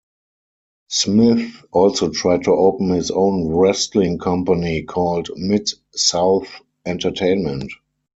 Smith also tried to open his own wrestling company called Mid South Entertainment.